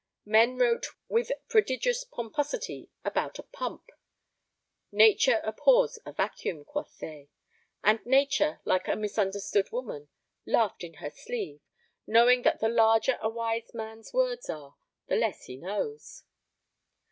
Men wrote with prodigious pomposity about a pump. "Nature abhors a vacuum," quoth they. And Nature, like a misunderstood woman, laughed in her sleeve, knowing that the larger a wise man's words are, the less he knows.